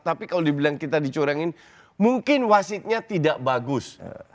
tapi kalau dibilang kita dicorengin mungkin wasitnya tidak bagus